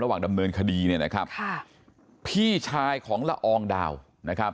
ระหว่างดำเนินคดีเนี่ยนะครับค่ะพี่ชายของละอองดาวนะครับ